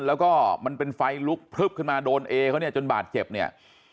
แล้วก็มันเป็นไฟลุกพลึบขึ้นมาโดนเอเขาเนี่ยจนบาดเจ็บเนี่ย